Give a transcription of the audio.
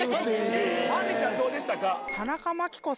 あんりちゃんどうでしたか？